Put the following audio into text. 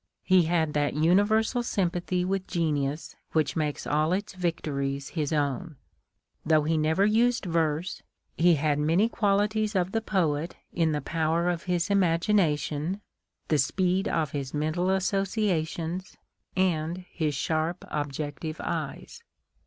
He had that universal sympathy with genius which makes all its victories his own ; though he never used verse, he had many qualities of the poet in the power of his imagination, the speed of his mental associations, and his sharp, objective eyes.